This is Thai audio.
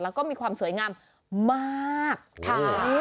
แล้วก็มีความสวยงามมากค่ะ